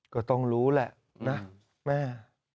ก็ต้องรู้แหละนะแม่